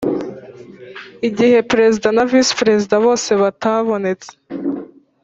Igihe perezida na visi perezida bose batabonetse